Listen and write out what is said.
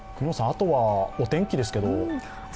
あとはお天気ですけど？